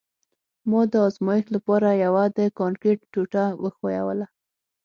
ما د ازمایښت لپاره یوه د کانکریټ ټوټه وښویوله